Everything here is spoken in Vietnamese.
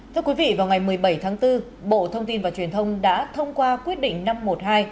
thưa quý vị vào ngày một mươi bảy tháng bốn bộ thông tin và truyền thông đã thông qua quyết định năm trăm một mươi hai